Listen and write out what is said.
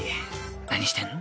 何してんだ？